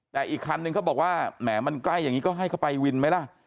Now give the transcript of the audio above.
แต่อีกคันนึงเขาบอกว่าแหมมันใกล้อย่างนี้ก็ให้เขาไปวินไหมล่ะ